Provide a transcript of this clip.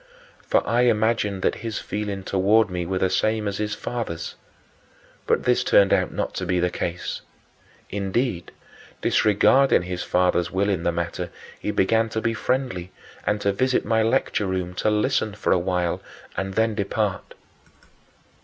For I imagined that his feelings toward me were the same as his father's. But this turned out not to be the case. Indeed, disregarding his father's will in the matter, he began to be friendly and to visit my lecture room, to listen for a while and then depart.